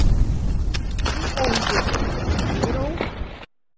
Иҟоузеи, бзиароу?